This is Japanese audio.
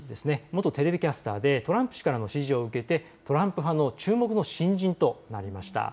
元テレビキャスターでトランプ氏からの支持を受けてトランプ派の注目の新人となりました。